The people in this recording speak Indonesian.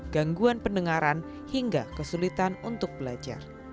gangguan pendengaran hingga kesulitan untuk belajar